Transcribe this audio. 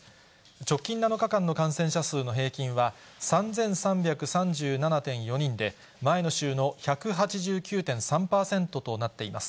直近７日間の感染者数の平均は、３３３７．４人で前の週の１８９．３％となっています。